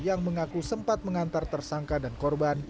yang mengaku sempat mengantar tersangka dan korban